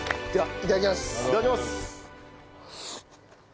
いただきます！